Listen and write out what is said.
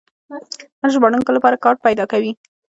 دا د ژباړونکو لپاره کار پیدا کوي.